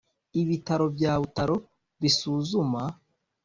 Ibitaro bya Butaro bisuzuma